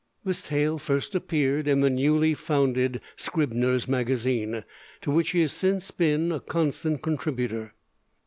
This tale first appeared in the newly founded Scribner's Magazine, to which he has since been a constant contributor.